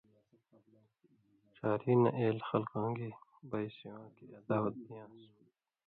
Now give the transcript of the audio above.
ڇھاری نہ اېن٘لہ خلکؤں گے بئ سِواں کِریا دعوت دِیان٘س۔